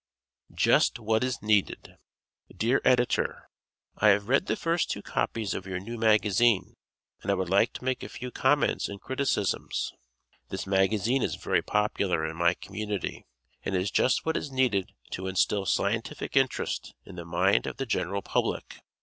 "Just What Is Needed" Dear Editor: I have read the first two copies of your new magazine and I would like to make a few comments and criticisms. This magazine is very popular in my community and is just what is needed to instill scientific interest in the mind of the general public.